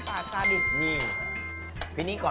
มีความเผ็ดร้อนหน้าครับท่านผู้โชค